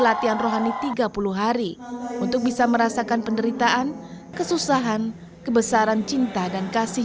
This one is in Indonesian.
latihan rohani tiga puluh hari untuk bisa merasakan penderitaan kesusahan kebesaran cinta dan kasih